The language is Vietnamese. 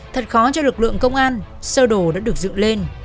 thật khó cho lực lượng công an sơ đồ đã được dựng lên